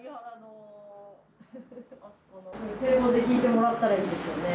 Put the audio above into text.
堤防で弾いてもらったらいいですよね。